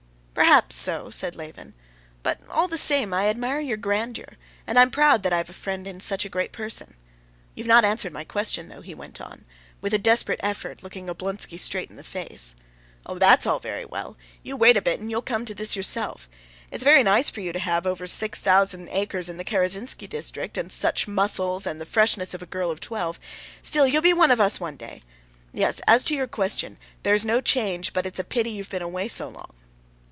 "Perhaps so," said Levin. "But all the same I admire your grandeur, and am proud that I've a friend in such a great person. You've not answered my question, though," he went on, with a desperate effort looking Oblonsky straight in the face. "Oh, that's all very well. You wait a bit, and you'll come to this yourself. It's very nice for you to have over six thousand acres in the Karazinsky district, and such muscles, and the freshness of a girl of twelve; still you'll be one of us one day. Yes, as to your question, there is no change, but it's a pity you've been away so long."